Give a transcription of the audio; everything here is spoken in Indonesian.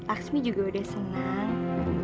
lakshmi juga udah senang